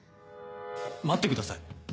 待ってください。